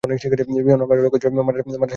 বিমান হামলার লক্ষ্য ছিল মাদ্রাসার ধর্মীয় সমাবেশ।